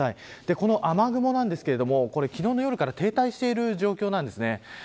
この雨雲なんですが昨日の夜から停滞している状況なんです。